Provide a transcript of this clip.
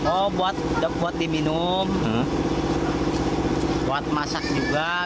oh buat diminum buat masak juga